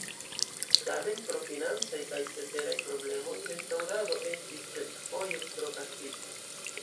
Tamen pro financaj kaj ceteraj problemoj restaŭrado estis kelkfoje prokrastita.